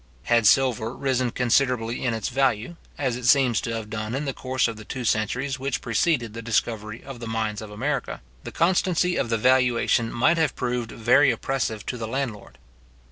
Had silver risen considerably in its value, as it seems to have done in the course of the two centuries which preceded the discovery of the mines of America, the constancy of the valuation might have proved very oppressive to the landlord.